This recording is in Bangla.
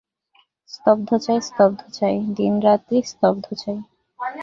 স্তব চাই, স্তব চাই, দিনরাত্রি স্তব চাই!